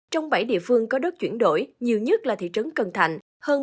trong bảy địa phương có đất chuyển đổi nhiều nhất là thị trấn cần thạnh